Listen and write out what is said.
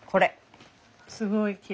すごいきれい。